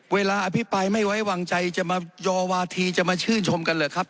อภิปรายไม่ไว้วางใจจะมายอวาธีจะมาชื่นชมกันเหรอครับ